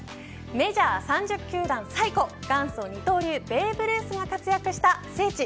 メジャー３０球団最古元祖二刀流ベーブ・ルースが活躍した聖地